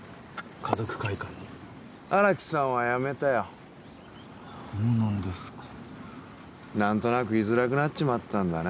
華族会館の荒木さんは辞めたよほうなんですか何となく居づらくなっちまったんだね